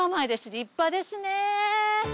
立派ですね。